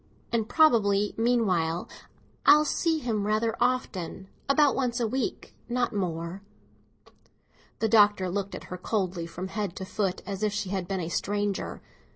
And probably, meanwhile, I shall see him rather often; about once a week, not more." The Doctor looked at her coldly from head to foot, as if she had been a stranger.